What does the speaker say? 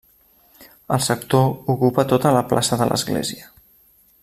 El sector ocupa tota la plaça de l'església.